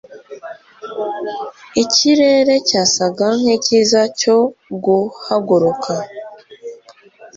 ikirere cyasaga nkicyiza cyo guhaguruka